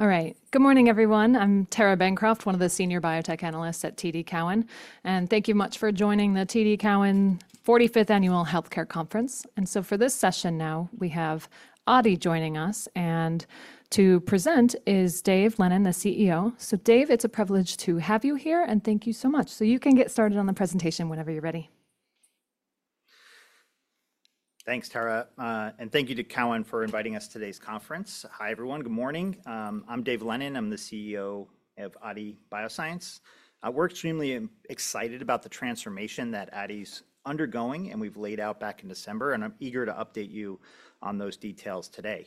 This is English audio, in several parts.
All right. Good morning, everyone. I'm Tara Bancroft, one of the senior biotech analysts at TD Cowen. Thank you much for joining the TD Cowen 45th Annual Healthcare Conference. For this session now, we have Aadi joining us. To present is Dave Lennon, the CEO. Dave, it's a privilege to have you here. Thank you so much. You can get started on the presentation whenever you're ready. Thanks, Tara. Thank you to Cowen for inviting us to today's conference. Hi, everyone. Good morning. I'm Dave Lennon. I'm the CEO of Aadi Bioscience. We're extremely excited about the transformation that Aadi is undergoing, and we've laid out back in December. I'm eager to update you on those details today.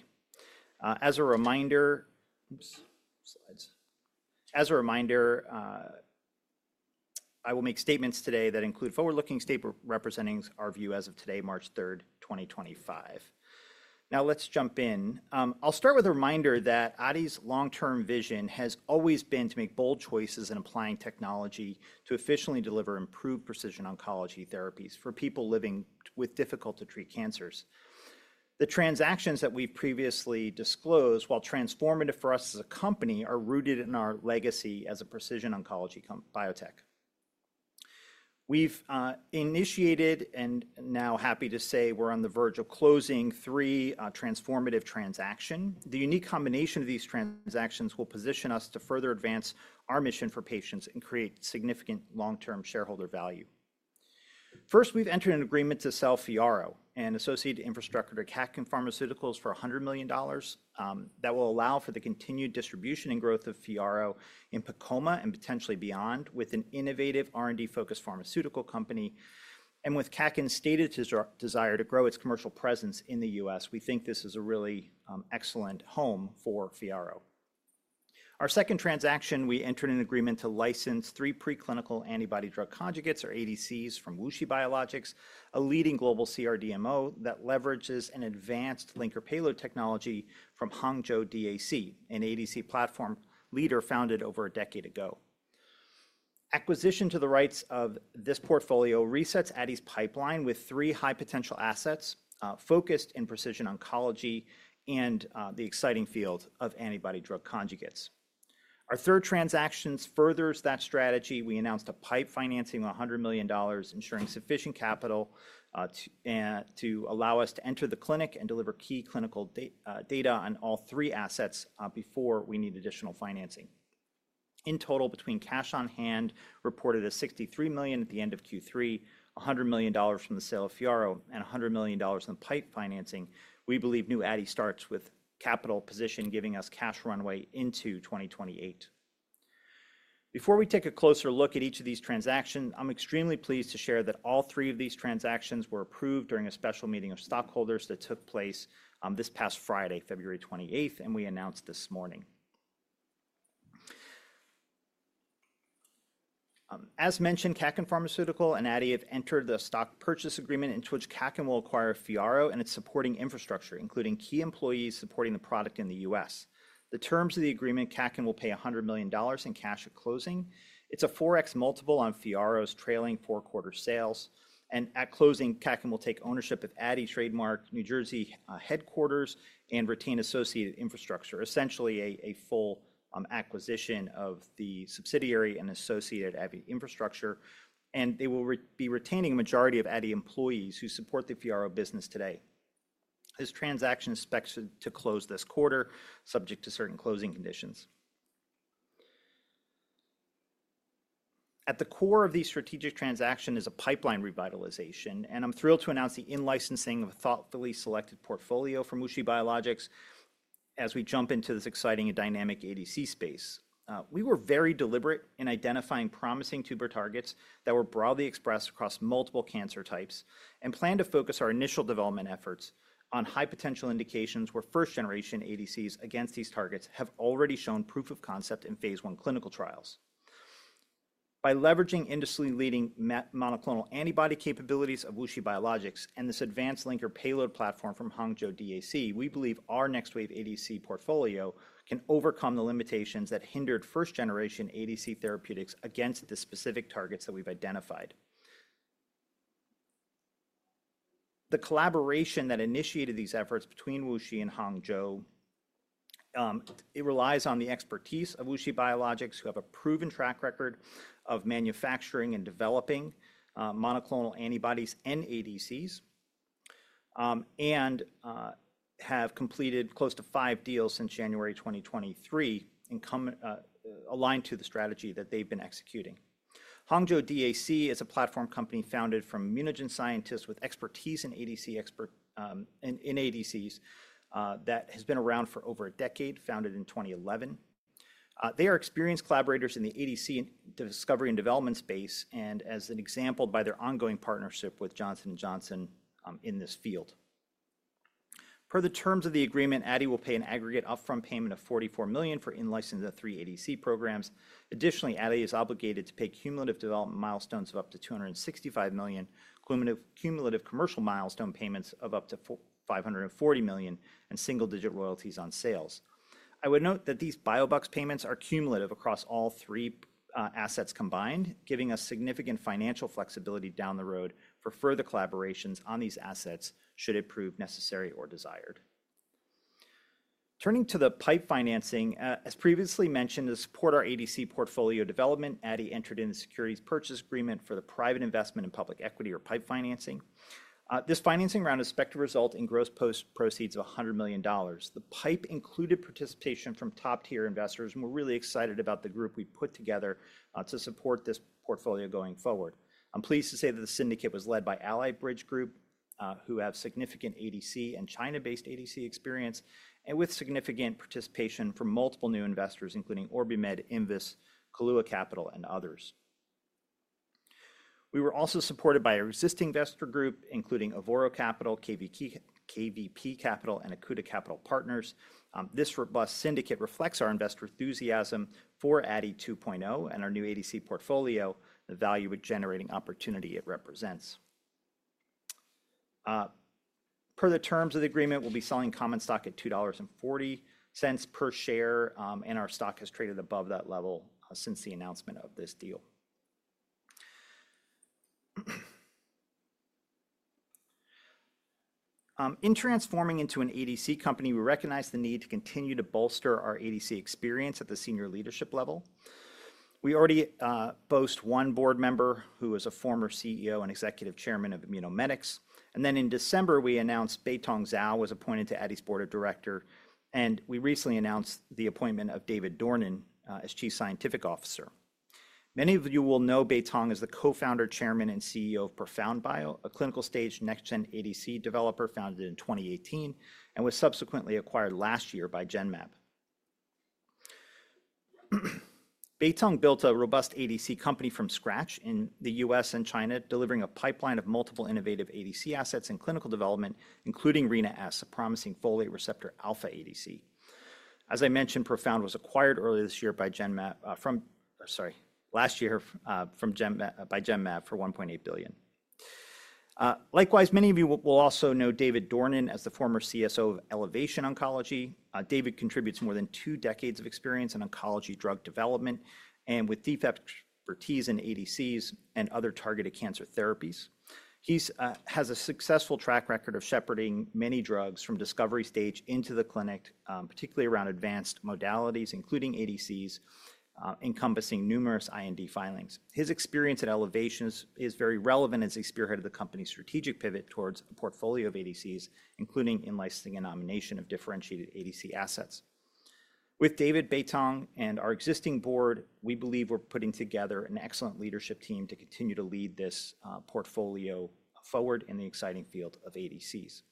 As a reminder, I will make statements today that include forward-looking statements representing our view as of today, March 3rd, 2025. Now let's jump in. I'll start with a reminder that Aadi's long-term vision has always been to make bold choices in applying technology to efficiently deliver improved precision oncology therapies for people living with difficult-to-treat cancers. The transactions that we've previously disclosed, while transformative for us as a company, are rooted in our legacy as a precision oncology biotech. We've initiated, and now happy to say we're on the verge of closing three transformative transactions. The unique combination of these transactions will position us to further advance our mission for patients and create significant long-term shareholder value. First, we've entered an agreement to sell FYARRO and associated infrastructure to KAKEN Pharmaceuticals for $100 million that will allow for the continued distribution and growth of FYARRO in PEComa and potentially beyond with an innovative R&D-focused pharmaceutical company. With KAKEN's stated desire to grow its commercial presence in the U.S., we think this is a really excellent home for FYARRO. Our second transaction, we entered an agreement to license three preclinical antibody drug conjugates, or ADCs, from WuXi Biologics, a leading global CRDMO that leverages an advanced linker payload technology from Hangzhou DAC, an ADC platform leader founded over a decade ago. Acquisition to the rights of this portfolio resets Aadi's pipeline with three high-potential assets focused in precision oncology and the exciting field of antibody drug conjugates. Our third transaction furthers that strategy. We announced a PIPE financing of $100 million, ensuring sufficient capital to allow us to enter the clinic and deliver key clinical data on all three assets before we need additional financing. In total, between cash on hand reported as $63 million at the end of Q3, $100 million from the sale of FYARRO, and $100 million from PIPE financing, we believe new Aadi starts with capital position giving us cash runway into 2028. Before we take a closer look at each of these transactions, I'm extremely pleased to share that all three of these transactions were approved during a special meeting of stockholders that took place this past Friday, February 28th, and we announced this morning. As mentioned, KAKEN Pharmaceuticals and Aadi have entered the stock purchase agreement into which KAKEN will acquire FYARRO and its supporting infrastructure, including key employees supporting the product in the U.S. The terms of the agreement, KAKEN will pay $100 million in cash at closing. It is a 4x multiple on FYARRO's trailing four-quarter sales. At closing, KAKEN will take ownership of the Aadi trademark, New Jersey headquarters, and retain associated infrastructure, essentially a full acquisition of the subsidiary and associated Aadi infrastructure. They will be retaining a majority of Aadi employees who support the FYARRO business today. This transaction is expected to close this quarter, subject to certain closing conditions. At the core of these strategic transactions is a pipeline revitalization. I am thrilled to announce the in-licensing of a thoughtfully selected portfolio from WuXi Biologics as we jump into this exciting and dynamic ADC space. We were very deliberate in identifying promising tumor targets that were broadly expressed across multiple cancer types and plan to focus our initial development efforts on high-potential indications where first-generation ADCs against these targets have already shown proof of concept in Phase I clinical trials. By leveraging industry-leading monoclonal antibody capabilities of WuXi Biologics and this advanced linker payload platform from Hangzhou DAC, we believe our next wave ADC portfolio can overcome the limitations that hindered first-generation ADC therapeutics against the specific targets that we've identified. The collaboration that initiated these efforts between WuXi and Hangzhou relies on the expertise of WuXi Biologics, who have a proven track record of manufacturing and developing monoclonal antibodies and ADCs, and have completed close to five deals since January 2023 aligned to the strategy that they've been executing. Hangzhou DAC is a platform company founded from ImmunoGen scientists with expertise in ADCs that has been around for over a decade, founded in 2011. They are experienced collaborators in the ADC discovery and development space, as an example by their ongoing partnership with Johnson & Johnson in this field. Per the terms of the agreement, Aadi will pay an aggregate upfront payment of $44 million for in-licensing of three ADC programs. Additionally, Aadi is obligated to pay cumulative development milestones of up to $265 million, cumulative commercial milestone payments of up to $540 million, and single-digit royalties on sales. I would note that these Biobucks payments are cumulative across all three assets combined, giving us significant financial flexibility down the road for further collaborations on these assets should it prove necessary or desired. Turning to the PIPE financing, as previously mentioned, to support our ADC portfolio development, Aadi entered in the securities purchase agreement for the private investment in public equity, or PIPE financing. This financing round is expected to result in gross proceeds of $100 million. The PIPE included participation from top-tier investors, and we're really excited about the group we put together to support this portfolio going forward. I'm pleased to say that the syndicate was led by Ally Bridge Group, who have significant ADC and China-based ADC experience, and with significant participation from multiple new investors, including OrbiMed, Invus, Kalehua Capital, and others. We were also supported by a existing investor group, including Avoro Capital, KVP Capital, and Acuta Capital Partners. This robust syndicate reflects our investor enthusiasm for Aadi 2.0 and our new ADC portfolio, the value with generating opportunity it represents. Per the terms of the agreement, we'll be selling common stock at $2.40 per share, and our stock has traded above that level since the announcement of this deal. In transforming into an ADC company, we recognize the need to continue to bolster our ADC experience at the senior leadership level. We already boast one board member who is a former CEO and executive chairman of Immunomedics. In December, we announced Baiteng Zhao was appointed to Aadi's board of directors, and we recently announced the appointment of David Dornan as Chief Scientific Officer. Many of you will know Baiteng as the co-founder, chairman, and CEO of ProfoundBio, a clinical stage next-gen ADC developer founded in 2018 and was subsequently acquired last year by Genmab. Baiteng built a robust ADC company from scratch in the U.S. and China, delivering a pipeline of multiple innovative ADC assets and clinical development, including Rina-S, a promising folate receptor alpha ADC. As I mentioned, Profound was acquired earlier this year by Genmab from, sorry, last year by Genmab for $1.8 billion. Likewise, many of you will also know David Dornan as the former CSO of Elevation Oncology. David contributes more than two decades of experience in oncology drug development and with deep expertise in ADCs and other targeted cancer therapies. He has a successful track record of shepherding many drugs from discovery stage into the clinic, particularly around advanced modalities, including ADCs encompassing numerous IND filings. His experience at Elevation is very relevant as he spearheaded the company's strategic pivot towards a portfolio of ADCs, including in-licensing and nomination of differentiated ADC assets. With David, Baiteng, and our existing board, we believe we're putting together an excellent leadership team to continue to lead this portfolio forward in the exciting field of ADCs.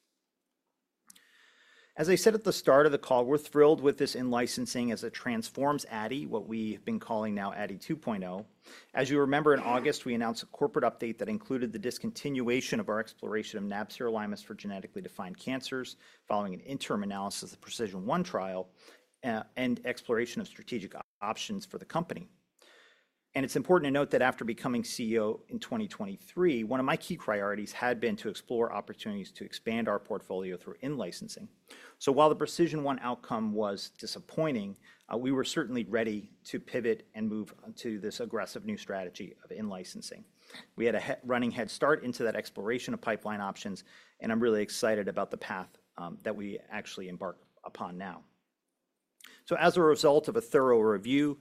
As I said at the start of the call, we're thrilled with this in-licensing as it transforms Aadi, what we have been calling now Aadi 2.0. As you remember, in August, we announced a corporate update that included the discontinuation of our exploration of nab-sirolimus for genetically defined cancers following an interim analysis of the PRECISION1 trial and exploration of strategic options for the company. It's important to note that after becoming CEO in 2023, one of my key priorities had been to explore opportunities to expand our portfolio through in-licensing. While the PRECISION1 outcome was disappointing, we were certainly ready to pivot and move to this aggressive new strategy of in-licensing. We had a running head start into that exploration of pipeline options, and I'm really excited about the path that we actually embark upon now. As a result of a thorough review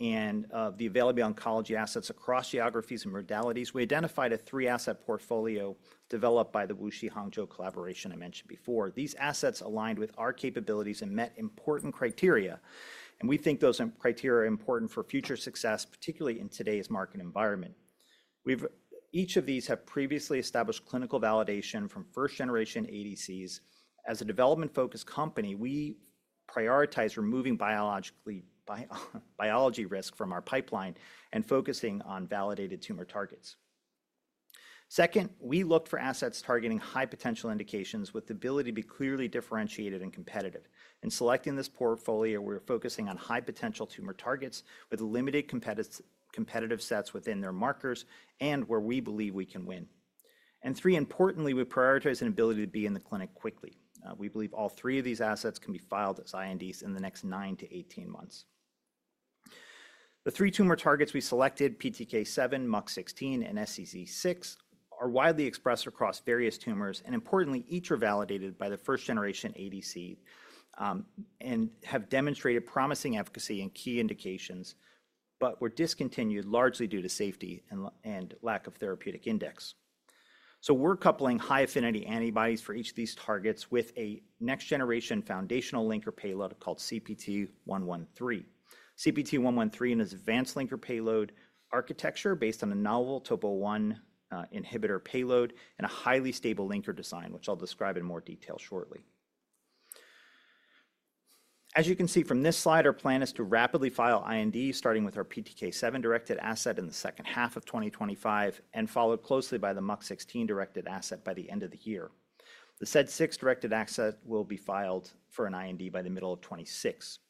and of the availability of oncology assets across geographies and modalities, we identified a three-asset portfolio developed by the WuXi-Hangzhou collaboration I mentioned before. These assets aligned with our capabilities and met important criteria. We think those criteria are important for future success, particularly in today's market environment. Each of these has previously established clinical validation from first-generation ADCs. As a development-focused company, we prioritize removing biology risk from our pipeline and focusing on validated tumor targets. Second, we looked for assets targeting high-potential indications with the ability to be clearly differentiated and competitive. In selecting this portfolio, we're focusing on high-potential tumor targets with limited competitive sets within their markers and where we believe we can win. Three, importantly, we prioritize an ability to be in the clinic quickly. We believe all three of these assets can be filed as INDs in the next 9-18 months. The three tumor targets we selected, PTK7, MUC16, and SEZ6, are widely expressed across various tumors. Importantly, each are validated by the first-generation ADC and have demonstrated promising efficacy in key indications, but were discontinued largely due to safety and lack of therapeutic index. We're coupling high-affinity antibodies for each of these targets with a next-generation foundational linker payload called CPT113. CPT113 is an advanced linker payload architecture based on a novel Topo I inhibitor payload and a highly stable linker design, which I'll describe in more detail shortly. As you can see from this slide, our plan is to rapidly file INDs starting with our PTK7 directed asset in the second half of 2025 and followed closely by the MUC16 directed asset by the end of the year. The SEZ6 directed asset will be filed for an IND by the middle of 2026.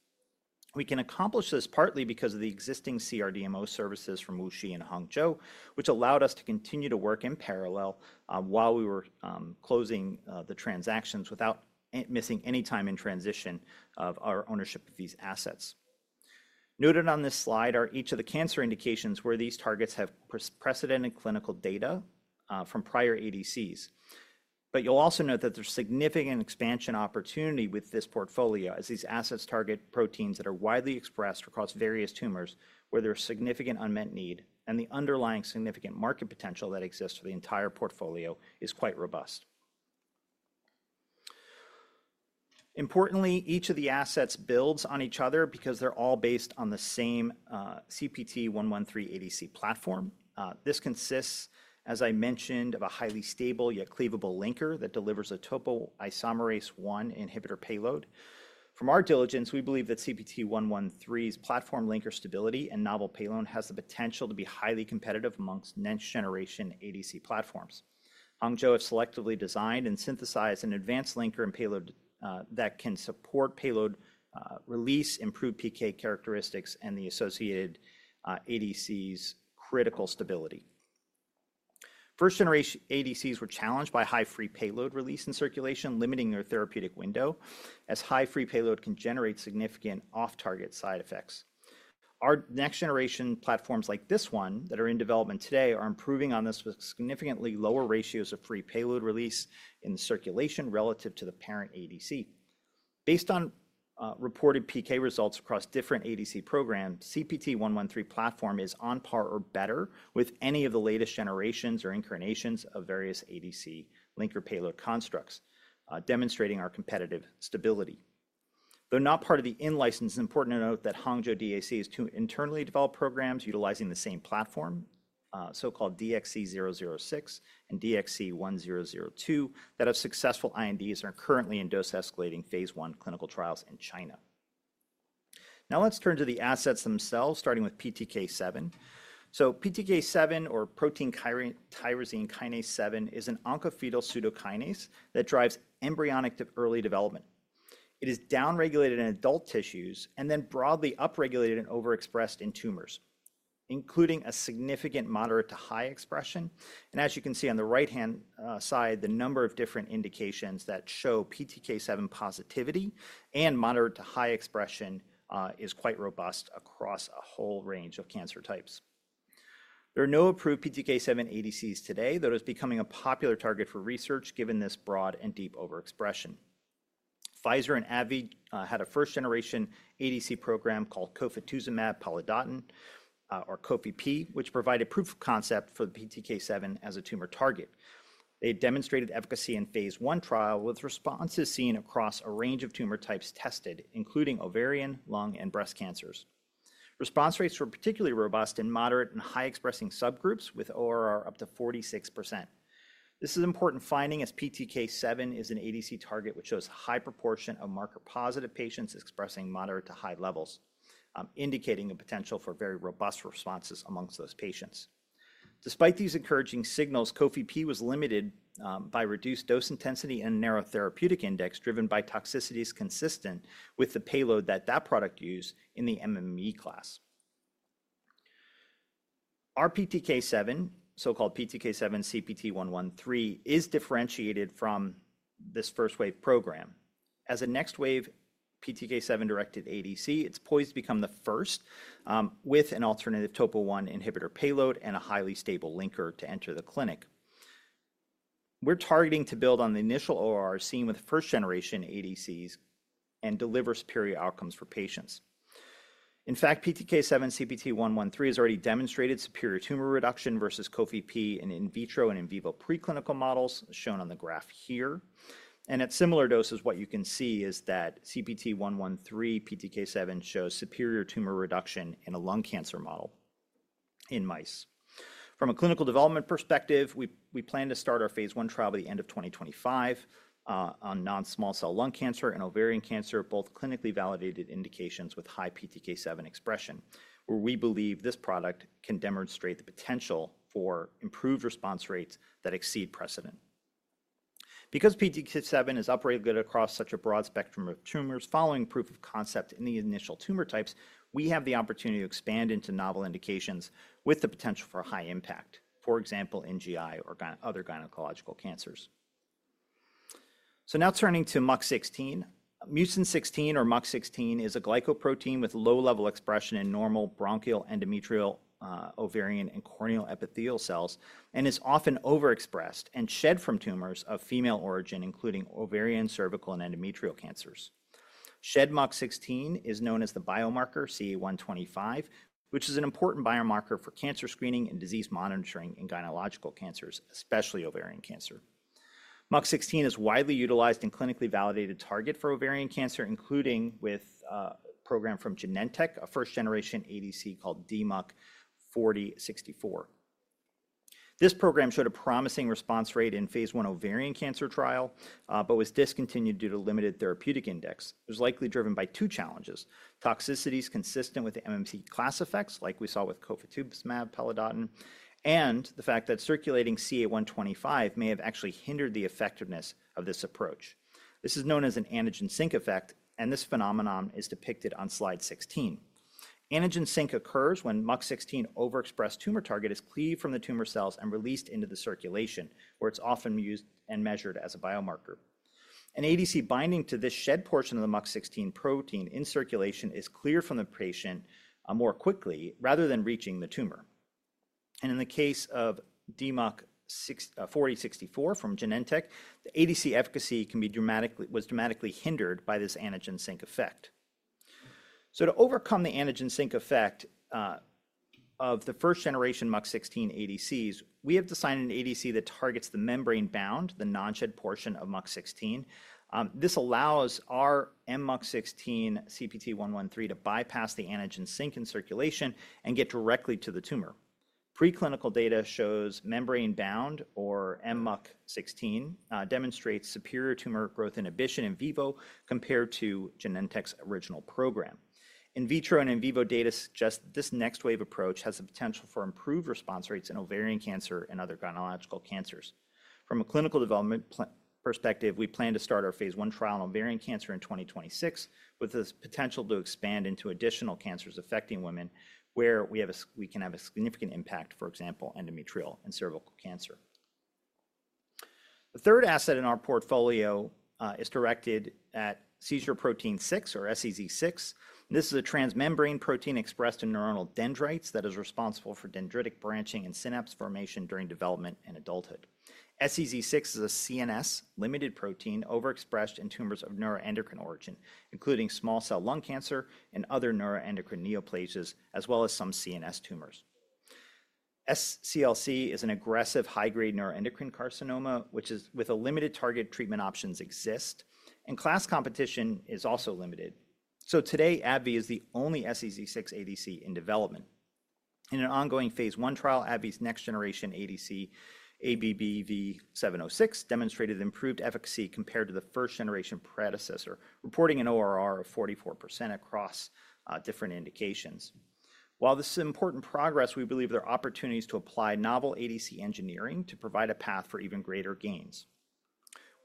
We can accomplish this partly because of the existing CRDMO services from WuXi and Hangzhou, which allowed us to continue to work in parallel while we were closing the transactions without missing any time in transition of our ownership of these assets. Noted on this slide are each of the cancer indications where these targets have precedent in clinical data from prior ADCs. You'll also note that there's significant expansion opportunity with this portfolio as these assets target proteins that are widely expressed across various tumors where there's significant unmet need, and the underlying significant market potential that exists for the entire portfolio is quite robust. Importantly, each of the assets builds on each other because they're all based on the same CPT113 ADC platform. This consists, as I mentioned, of a highly stable, yet cleavable linker that delivers a topoisomerase I inhibitor payload. From our diligence, we believe that CPT113's platform linker stability and novel payload has the potential to be highly competitive amongst next-generation ADC platforms. Hangzhou has selectively designed and synthesized an advanced linker and payload that can support payload release, improve PK characteristics, and the associated ADCs' critical stability. First-generation ADCs were challenged by high-free payload release in circulation, limiting their therapeutic window as high-free payload can generate significant off-target side effects. Our next-generation platforms like this one that are in development today are improving on this with significantly lower ratios of free payload release in circulation relative to the parent ADC. Based on reported PK results across different ADC programs, CPT113 platform is on par or better with any of the latest generations or incarnations of various ADC linker payload constructs, demonstrating our competitive stability. Though not part of the in-license, it's important to note that Hangzhou DAC has two internally developed programs utilizing the same platform, so-called DXC006 and DXC1002, that have successful INDs and are currently in dose-escalating Phase I clinical trials in China. Now let's turn to the assets themselves, starting with PTK7. PTK7, or protein tyrosine kinase 7, is an oncofetal pseudokinase that drives embryonic to early development. It is downregulated in adult tissues and then broadly upregulated and overexpressed in tumors, including a significant moderate to high expression. As you can see on the right-hand side, the number of different indications that show PTK7 positivity and moderate to high expression is quite robust across a whole range of cancer types. There are no approved PTK7 ADCs today, though it is becoming a popular target for research given this broad and deep overexpression. Pfizer and AbbVie had a first-generation ADC program called Cofetuzumab Pelidotin, or COFEP, which provided proof of concept for PTK7 as a tumor target. They demonstrated efficacy in Phase I trial with responses seen across a range of tumor types tested, including ovarian, lung, and breast cancers. Response rates were particularly robust in moderate and high-expressing subgroups with ORR up to 46%. This is an important finding as PTK7 is an ADC target which shows a high proportion of marker-positive patients expressing moderate to high levels, indicating the potential for very robust responses amongst those patients. Despite these encouraging signals, COFEP was limited by reduced dose intensity and narrow therapeutic index driven by toxicities consistent with the payload that product used in the MMAE class. Our PTK7, so-called PTK7 CPT113, is differentiated from this first wave program. As a next wave PTK7 directed ADC, it's poised to become the first with an alternative Topo 1 inhibitor payload and a highly stable linker to enter the clinic. We're targeting to build on the initial ORR seen with first-generation ADCs and deliver superior outcomes for patients. In fact, PTK7 CPT113 has already demonstrated superior tumor reduction versus COFEP in in vitro and in vivo preclinical models shown on the graph here. At similar doses, what you can see is that CPT113 PTK7 shows superior tumor reduction in a lung cancer model in mice. From a clinical development perspective, we plan to start our Phase 1 trial by the end of 2025 on non-small cell lung cancer and ovarian cancer, both clinically validated indications with high PTK7 expression, where we believe this product can demonstrate the potential for improved response rates that exceed precedent. Because PTK7 is upregulated across such a broad spectrum of tumors following proof of concept in the initial tumor types, we have the opportunity to expand into novel indications with the potential for high impact, for example, NGI or other gynecological cancers. Now turning to MUC16. Mucin 16, or MUC16, is a glycoprotein with low-level expression in normal bronchial, endometrial, ovarian, and corneal epithelial cells and is often overexpressed and shed from tumors of female origin, including ovarian, cervical, and endometrial cancers. Shed MUC16 is known as the biomarker CA125, which is an important biomarker for cancer screening and disease monitoring in gynecological cancers, especially ovarian cancer. MUC16 is a widely utilized and clinically validated target for ovarian cancer, including with a program from Genentech, a first-generation ADC called DMUC4064A. This program showed a promising response rate in a phase I ovarian cancer trial but was discontinued due to limited therapeutic index. It was likely driven by two challenges: toxicities consistent with MMAE class effects like we saw with Cofetuzumab Pelidotin, and the fact that circulating CA125 may have actually hindered the effectiveness of this approach. This is known as an antigen sink effect, and this phenomenon is depicted on Slide 16. Antigen sink occurs when MUC16 overexpressed tumor target is cleaved from the tumor cells and released into the circulation, where it's often used and measured as a biomarker. An ADC binding to this shed portion of the MUC16 protein in circulation is cleared from the patient more quickly rather than reaching the tumor. In the case of DMUC4064A from Genentech, the ADC efficacy was dramatically hindered by this antigen sink effect. To overcome the antigen sink effect of the first-generation MUC16 ADCs, we have designed an ADC that targets the membrane-bound, the non-shed portion of MUC16. This allows our MUC16 CPT113 to bypass the antigen sink in circulation and get directly to the tumor. Preclinical data shows membrane-bound, or MUC16, demonstrates superior tumor growth inhibition in vivo compared to Genentech's original program. In vitro and in vivo data suggest this next wave approach has the potential for improved response rates in ovarian cancer and other gynecological cancers. From a clinical development perspective, we plan to start our Phase 1 trial in ovarian cancer in 2026 with the potential to expand into additional cancers affecting women where we can have a significant impact, for example, endometrial and cervical cancer. The third asset in our portfolio is directed at seizure protein 6, or SEZ6. This is a transmembrane protein expressed in neuronal dendrites that is responsible for dendritic branching and synapse formation during development and adulthood. SEZ6 is a CNS-limited protein overexpressed in tumors of neuroendocrine origin, including small cell lung cancer and other neuroendocrine neoplasias, as well as some CNS tumors. SCLC is an aggressive high-grade neuroendocrine carcinoma, which is with a limited target treatment options exist, and class competition is also limited. Today, AbbVie is the only SEZ6 ADC in development. In an ongoing Phase I trial, AbbVie's next-generation ADC ABBV-706 demonstrated improved efficacy compared to the first-generation predecessor, reporting an ORR of 44% across different indications. While this is important progress, we believe there are opportunities to apply novel ADC engineering to provide a path for even greater gains.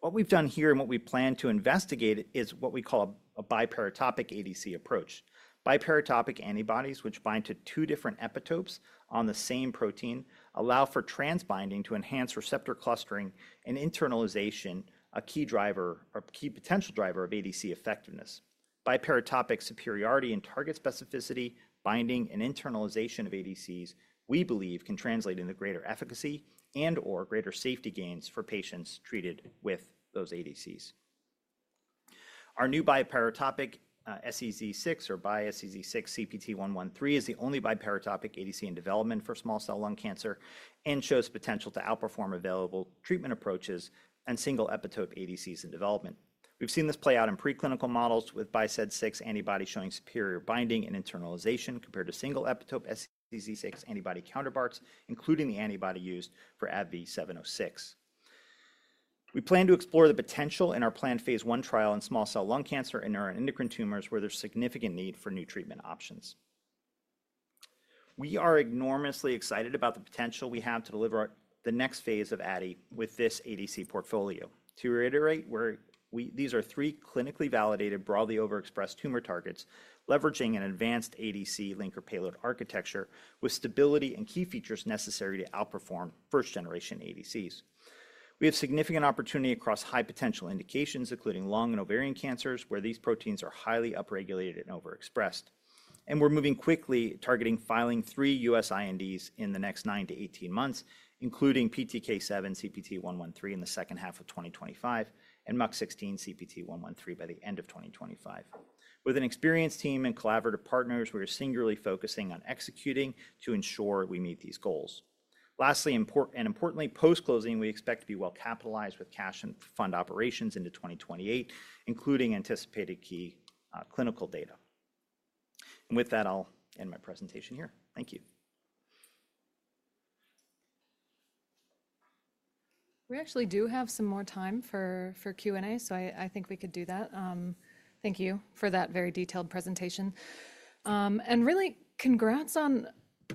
What we've done here and what we plan to investigate is what we call a biparatopic ADC approach. Biparatopic antibodies, which bind to two different epitopes on the same protein, allow for transbinding to enhance receptor clustering and internalization, a key driver or key potential driver of ADC effectiveness. Biparatopic superiority in target specificity, binding, and internalization of ADCs, we believe, can translate into greater efficacy and/or greater safety gains for patients treated with those ADCs. Our new biparatopic SEZ6, or bi-SEZ6 CPT113, is the only biparatopic ADC in development for small cell lung cancer and shows potential to outperform available treatment approaches and single epitope ADCs in development. We've seen this play out in preclinical models with bi-SEZ6 antibody showing superior binding and internalization compared to single epitope SEZ6 antibody counterparts, including the antibody used for ABBV-706. We plan to explore the potential in our planned Phase I trial in small cell lung cancer and neuroendocrine tumors where there's significant need for new treatment options. We are enormously excited about the potential we have to deliver the next phase of Aadi with this ADC portfolio. To reiterate, these are three clinically validated, broadly overexpressed tumor targets, leveraging an advanced ADC linker payload architecture with stability and key features necessary to outperform first-generation ADCs. We have significant opportunity across high potential indications, including lung and ovarian cancers, where these proteins are highly upregulated and overexpressed. We are moving quickly, targeting filing three U.S. INDs in the next 9-18 months, including PTK7 CPT113 in the second half of 2025 and MUC16 CPT113 by the end of 2025. With an experienced team and collaborative partners, we are singularly focusing on executing to ensure we meet these goals. Lastly, importantly, post-closing, we expect to be well capitalized with cash and fund operations into 2028, including anticipated key clinical data. With that, I'll end my presentation here. Thank you. We actually do have some more time for Q&A, so I think we could do that. Thank you for that very detailed presentation. Really, congrats on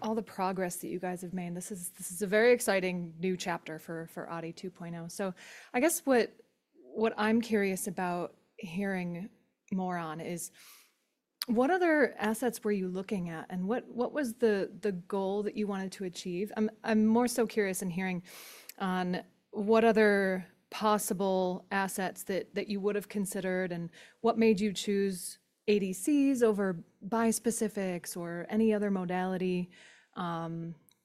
all the progress that you guys have made. This is a very exciting new chapter for Aadi 2.0. I guess what I'm curious about hearing more on is, what other assets were you looking at, and what was the goal that you wanted to achieve? I'm more so curious in hearing on what other possible assets that you would have considered and what made you choose ADCs over bi-specifics or any other modality,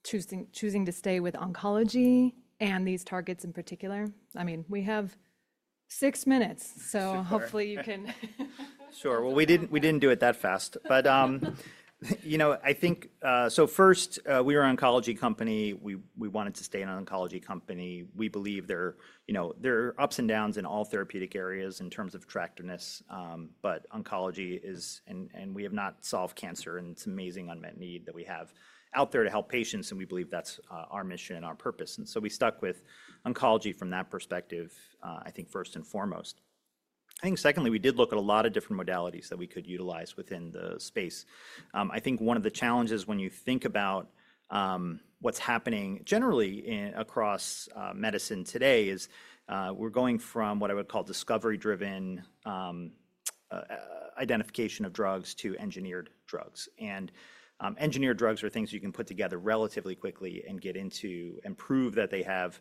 choosing to stay with oncology and these targets in particular. I mean, we have six minutes, so hopefully you can. Sure. We did not do it that fast. I think, first, we are an oncology company. We wanted to stay an oncology company. We believe there are ups and downs in all therapeutic areas in terms of attractiveness, but oncology is, and we have not solved cancer, and it is an amazing unmet need that we have out there to help patients, and we believe that is our mission and our purpose. We stuck with oncology from that perspective, I think, first and foremost. I think, secondly, we did look at a lot of different modalities that we could utilize within the space. I think one of the challenges when you think about what is happening generally across medicine today is we are going from what I would call discovery-driven identification of drugs to engineered drugs. Engineered drugs are things you can put together relatively quickly and get into and prove that they have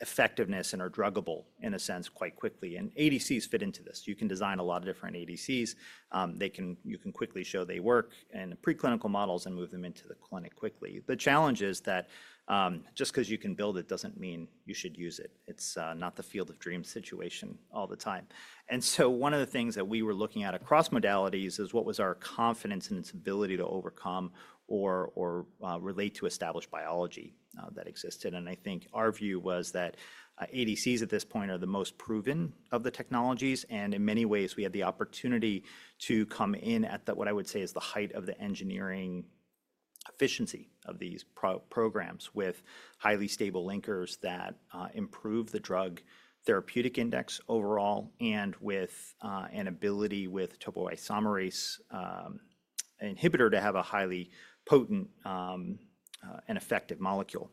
effectiveness and are druggable in a sense quite quickly. ADCs fit into this. You can design a lot of different ADCs. You can quickly show they work in preclinical models and move them into the clinic quickly. The challenge is that just because you can build it does not mean you should use it. It is not the field of dreams situation all the time. One of the things that we were looking at across modalities is what was our confidence in its ability to overcome or relate to established biology that existed. I think our view was that ADCs at this point are the most proven of the technologies, and in many ways, we had the opportunity to come in at what I would say is the height of the engineering efficiency of these programs with highly stable linkers that improve the drug therapeutic index overall and with an ability with topoisomerase inhibitor to have a highly potent and effective molecule.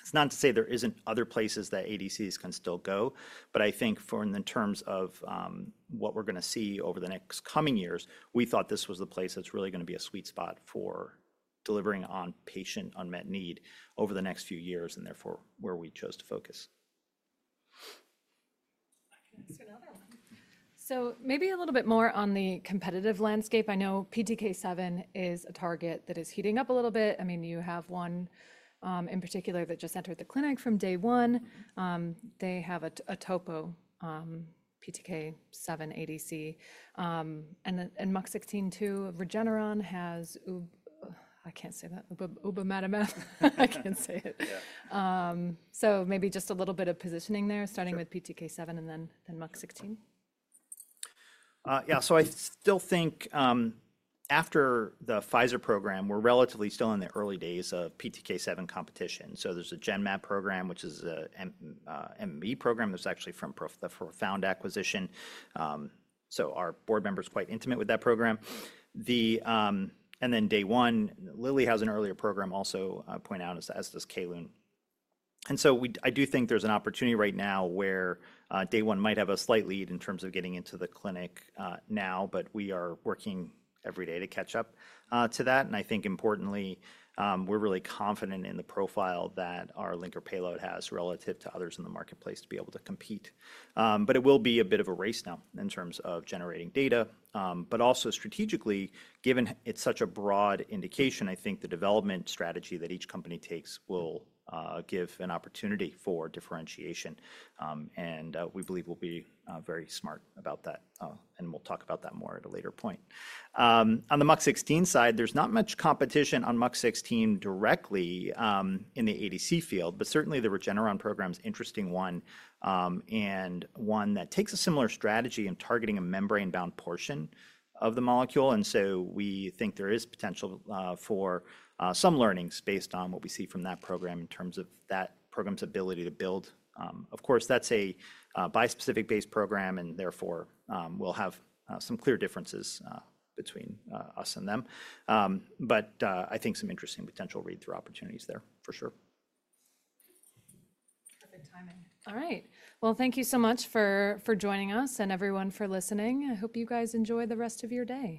It's not to say there aren't other places that ADCs can still go, but I think in terms of what we're going to see over the next coming years, we thought this was the place that's really going to be a sweet spot for delivering on patient unmet need over the next few years and therefore where we chose to focus. Maybe a little bit more on the competitive landscape. I know PTK7 is a target that is heating up a little bit. I mean, you have one in particular that just entered the clinic from Day One. They have a Topo PTK7 ADC. And MUC16 too, Regeneron has—I can't say that. I can't say it. Maybe just a little bit of positioning there, starting with PTK7 and then MUC16. Yeah. I still think after the Pfizer program, we're relatively still in the early days of PTK7 competition. There's a Genmab program, which is an MMAE program that's actually from the Profound acquisition. Our board member is quite intimate with that program. Day One, Lilly has an earlier program also, point out as does Colyn. I do think there's an opportunity right now where Day One might have a slight lead in terms of getting into the clinic now, but we are working every day to catch up to that. I think importantly, we're really confident in the profile that our linker payload has relative to others in the marketplace to be able to compete. It will be a bit of a race now in terms of generating data. Also strategically, given it's such a broad indication, I think the development strategy that each company takes will give an opportunity for differentiation. We believe we'll be very smart about that, and we'll talk about that more at a later point. On the MUC16 side, there's not much competition on MUC16 directly in the ADC field, but certainly the Regeneron program is an interesting one and one that takes a similar strategy in targeting a membrane-bound portion of the molecule. We think there is potential for some learnings based on what we see from that program in terms of that program's ability to build. Of course, that's a bispecific-based program, and therefore we'll have some clear differences between us and them. I think some interesting potential read-through opportunities there, for sure. All right. Thank you so much for joining us and everyone for listening. I hope you guys enjoy the rest of your day.